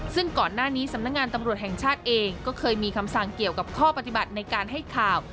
ซึ่งก่อนหน้านี้สำนักงานตำรวจแห่งชาติเองก็เคยมีคำสั่งเกี่ยวกับข้อปฏิบัติในการให้ข่าว